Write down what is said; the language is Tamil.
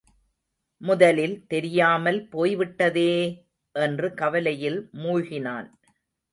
முதலில் தெரியாமல் போய்விட்டதே! என்று கவலையில் மூழ்கினான்.